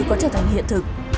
có trở thành hiện thực